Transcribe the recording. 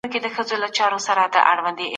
ښه ذهنیت انرژي نه زیانمنوي.